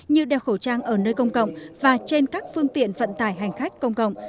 như đeo khẩu trang ở nơi công cộng và trên các phương tiện vận tải hành khách công cộng